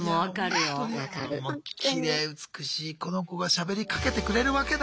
きれい美しいこの子がしゃべりかけてくれるわけだ。